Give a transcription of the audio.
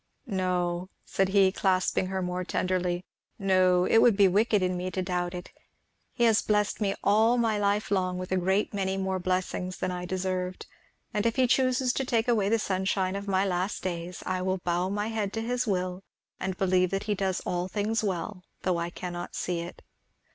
"No," said he, clasping her more tenderly, "no it would he wicked in me to doubt it. He has blessed me all my life long with a great many more blessings than I deserved; and if he chooses to take away the sunshine of my last days I will bow my head to his will, and believe that he does all things well, though I cannot see it."